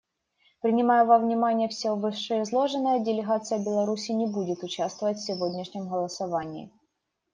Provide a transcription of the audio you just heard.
Принимая во внимание все вышеизложенное, делегация Беларуси не будет участвовать в сегодняшнем голосовании.